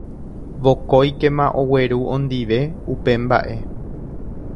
vokóikema ogueru ondive upe mba'e.